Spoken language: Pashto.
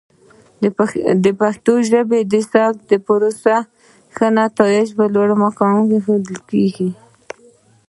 د پښتو ژبې د ثبت پروسه د ښې نتیجې په لور روانه ده.